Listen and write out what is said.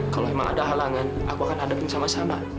kalau memang ada halangan aku akan hadapin sama sama